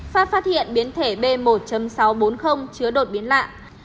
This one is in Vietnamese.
phát phát hiện biến thể b một sáu trăm bốn mươi chứa đột biến lạ